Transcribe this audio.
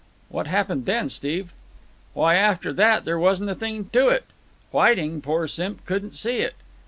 "What happened then, Steve?" "Why, after that there wasn't a thing to it. Whiting, poor simp, couldn't see it.